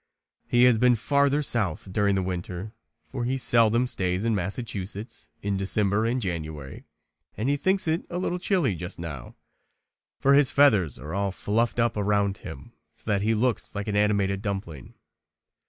He has been farther south during the winter, for he seldom stays in Massachusetts in December and January and he thinks it a little chilly just now, for his feathers are all fluffed up around him so that he looks like an animated dumpling.